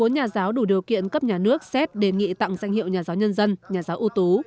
bốn nhà giáo đủ điều kiện cấp nhà nước xét đề nghị tặng danh hiệu nhà giáo nhân dân nhà giáo ưu tú